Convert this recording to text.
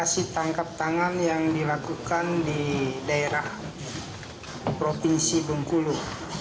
setelah dilakukan berbagai perkara tadi